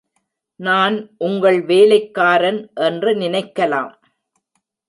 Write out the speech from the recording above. நான் உங்கள் வேலைக்காரன் என்று நினைக்கலாம்.